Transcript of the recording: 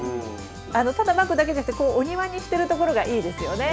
ただまくだけじゃなくてこうお庭にしてるところがいいですよね。